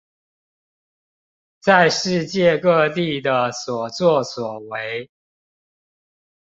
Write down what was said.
在世界各地的所作所為